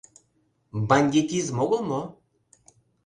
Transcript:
Бандитизм огыл мо?